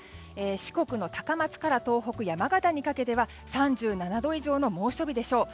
四国の高松から東北・山形にかけては３７度以上の猛暑日でしょう。